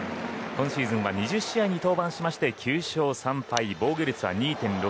今シーズンは２０試合に登板して９勝３敗、防御率、２．６６。